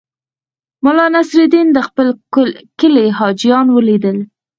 ملا نصرالدین د خپل کلي حاجیان ولیدل.